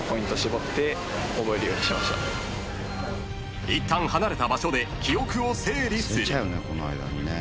［いったん離れた場所で記憶を整理する］